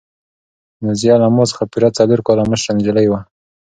نازیه له ما څخه پوره څلور کاله مشره نجلۍ وه.